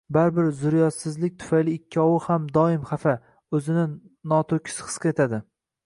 baribir zurriyotsizlik tufayli ikkovi ham doim xafa, o‘zini noto‘kis his etadi.